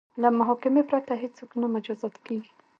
له محاکمې پرته هیڅوک نه مجازات کیږي.